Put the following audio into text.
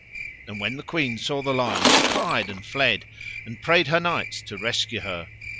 And when the queen saw the lion she cried and fled, and prayed her knights to rescue her.